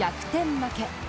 負け。